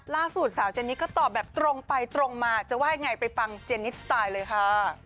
ล่าสุดสาวเจนนี่ก็ตอบแบบตรงไปตรงมาจะว่ายังไงไปฟังเจนิสสไตล์เลยค่ะ